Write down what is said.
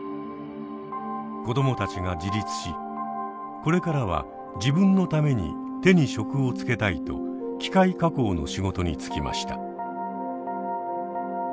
子どもたちが自立しこれからは自分のために手に職をつけたいと機械加工の仕事に就きました。